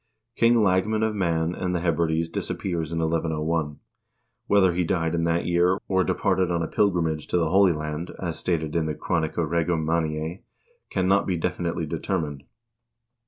King Lagman of Man and the Hebrides disappears in 1101. Whether he died in that year, or departed on a pilgrimage to the Holy Land as stated in the "Chronica Regum Manniae" cannot be definitely determined.